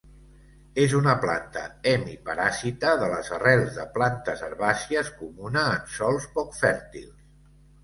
És una planta hemiparàsita de les arrels de plantes herbàcies comuna en sòls poc fèrtils.